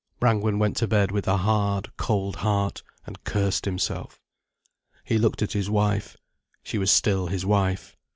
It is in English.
Brangwen went to bed with a hard, cold heart, and cursed himself. He looked at his wife. She was still his wife.